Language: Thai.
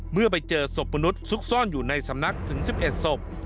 เมื่อไปเจอศพมนุษย์ซุกซ่อนอยู่ในสำนักถึง๑๑ศพ